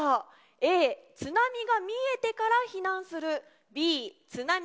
Ａ、津波が見えてから避難する。